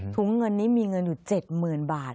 เงินนี้มีเงินอยู่๗๐๐๐บาท